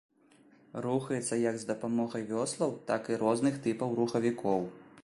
Рухаецца як з дапамогай вёслаў, так і розных тыпаў рухавікоў.